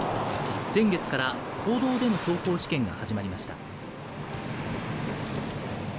先月から公道での走行試験が始まりました。